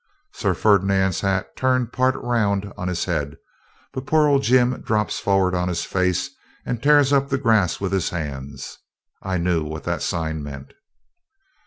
Sir Ferdinand's hat turned part round on his head, but poor old Jim drops forward on his face and tears up the grass with his hands. I knew what that sign meant.